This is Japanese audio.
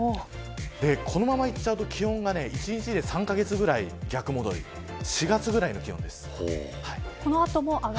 このままいっちゃうと気温が一日で３カ月くらい逆戻り４月くらいの気温です。